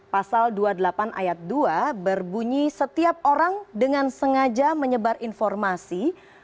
pasal dua puluh delapan ayat dua berbunyi setiap orang dengan sengaja menyebar informasi